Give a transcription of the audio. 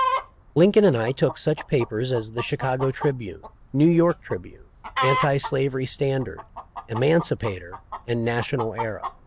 Lincoln and I took such papers as the Chicago Tribune, New York Tribune, Anti Slavery Standard, Emancipator, and National Era.